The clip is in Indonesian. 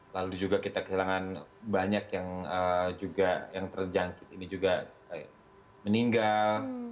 lalu juga kita kesilangan banyak yang terjangkit ini juga meninggal